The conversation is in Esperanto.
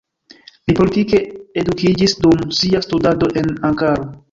Li politike edukiĝis dum sia studado en Ankaro.